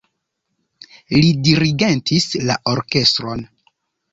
Li dirigentis la orkestron.